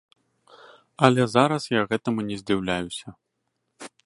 Але зараз я гэтаму не здзіўляюся.